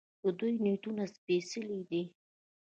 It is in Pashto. د دوی نیتونه سپیڅلي دي.